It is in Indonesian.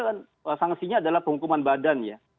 kan sanksinya adalah penghukuman badan ya